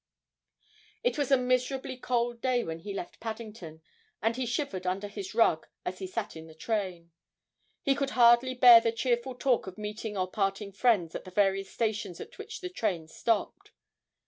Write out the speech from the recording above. It was a miserably cold day when he left Paddington, and he shivered under his rug as he sat in the train. He could hardly bear the cheerful talk of meeting or parting friends at the various stations at which the train stopped.